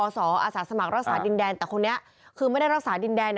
อาสาสมัครรักษาดินแดนแต่คนนี้คือไม่ได้รักษาดินแดน